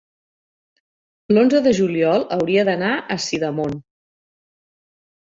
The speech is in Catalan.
l'onze de juliol hauria d'anar a Sidamon.